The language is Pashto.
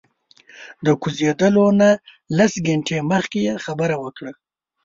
د کوزیدلو نه لس ګنټې مخکې یې خبره وکړه.